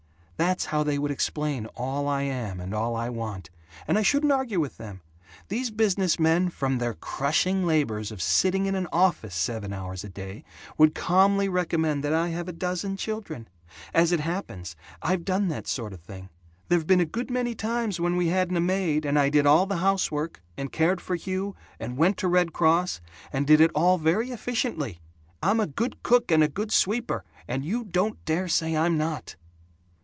That's how they would explain all I am and all I want. And I shouldn't argue with them. These business men, from their crushing labors of sitting in an office seven hours a day, would calmly recommend that I have a dozen children. As it happens, I've done that sort of thing. There've been a good many times when we hadn't a maid, and I did all the housework, and cared for Hugh, and went to Red Cross, and did it all very efficiently. I'm a good cook and a good sweeper, and you don't dare say I'm not!"